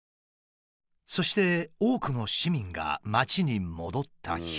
そして多くの市民が街に戻った日。